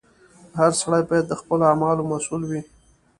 • هر سړی باید د خپلو اعمالو مسؤل وي.